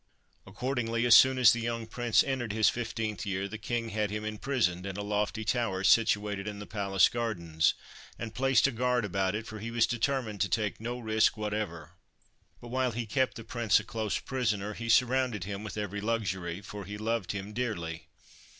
Accordingly, as soon as the young Prince entered his fifteenth year, the King had him imprisoned in a lofty tower situated in the palace gardens, and placed a guard about it, for he was determined to take no risk whatever. But, while he kept the Prince a close prisoner, he surrounded him with every luxury, for he loved him dearly.